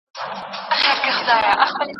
ناصر خسرو کله يونليک وليکه؟